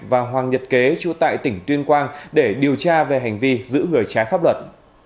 và hoàng nhật kế trú tại tỉnh tuyên quang để điều tra về hành vi giữ người trái pháp luật